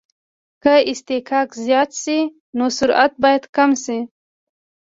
که اصطکاک زیات شي نو سرعت باید کم شي